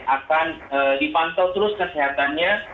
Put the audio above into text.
akan dipantau terus kesehatannya